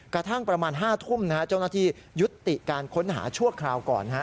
กระทั่งประมาณ๕ทุ่มเจ้าหน้าที่ยุติการค้นหาชั่วคราวก่อน